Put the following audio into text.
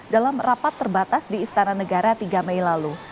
dalam rapat terbatas di istana negara tiga mei lalu